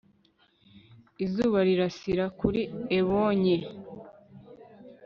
izuba rirasira kuri ebony ye